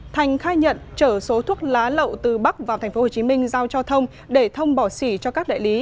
thành khai nhận chở số thuốc lá lậu từ bắc vào tp hcm giao cho thông để thông bỏ xỉ cho các đại lý